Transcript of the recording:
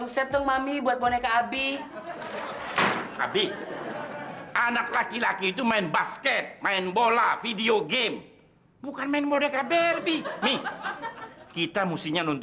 sampai jumpa di video selanjutnya